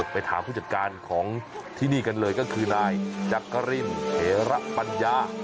ไปถามผู้จัดการของที่นี่กันเลยก็คือนายจักรินเถระปัญญา